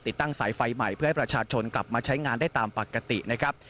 ตั้งสายไฟใหม่เพื่อให้ประชาชนกลับมาใช้งานได้ตามปกตินะครับ